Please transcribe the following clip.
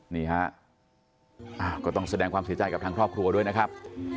นี่ฮะก็ต้องแสดงความเสียใจกับทางครอบครัวด้วยนะครับ